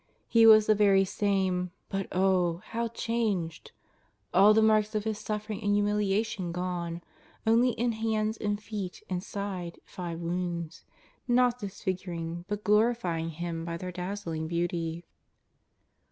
He was the very same, but oh! how changed; all the marks of His suffering and humiliation gone, only in hands and feet and side five Wounds, not disfiguring, but glorifying Him by their dazzling beauty.